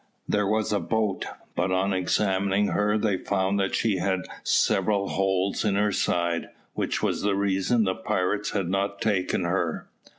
There was a boat, but on examining her, they found that she had several holes in her side, which was the reason the pirates had not taken her.